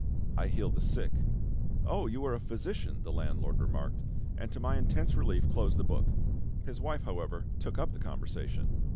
"I heal the sick." "Oh! you are a physician," the landlord remarked; and to my intense relief closed the book. His wife, however, took up the conversation.